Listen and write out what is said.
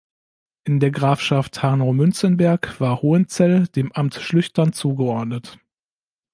In der Grafschaft Hanau-Münzenberg war Hohenzell dem Amt Schlüchtern zugeordnet.